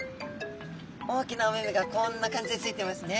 大きなお目々がこんな感じでついていますね。